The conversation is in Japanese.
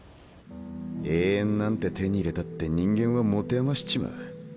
永遠なんて手に入れたって人間は持て余しちまう。